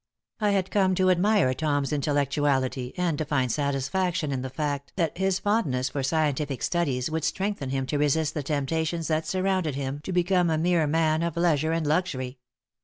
I had come to admire Tom's intellectuality and to find satisfaction in the fact that his fondness for scientific studies would strengthen him to resist the temptations that surrounded him to become a mere man of leisure and luxury.